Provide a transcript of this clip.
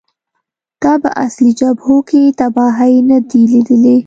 تا په اصلي جبهو کې تباهۍ نه دي لیدلې